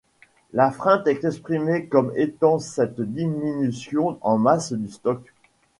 La freinte est exprimée comme étant cette diminution en masse du stock.